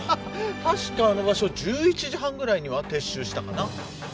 確かあの場所１１時半ぐらいには撤収したかな